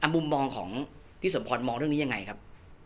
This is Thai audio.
มุมมองของพี่สมพรมองเรื่องนี้ยังไงครับ